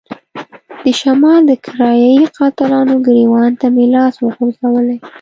د شمال د کرايه ای قاتلانو ګرېوان ته مې لاس ورغځولی.